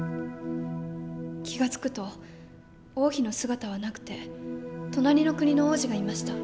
気が付くと王妃の姿はなくて隣の国の王子がいました。